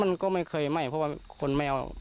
มันก็ไม่เคยไหม้เพราะว่าคนไม่เอา